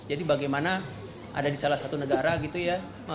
jadi bagaimana ada di salah satu negara gitu ya